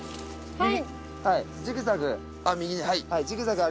はい。